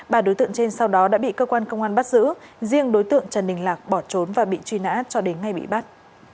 ba đối tượng trên sau đó đã bị cơ quan công an bắt giữ riêng đối tượng trần đình lạc bỏ trốn và bị truy nã cho đến ngày bị bắt